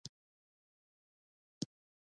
د شهید بابی او پتیال ته لیستونه ورکړي ول.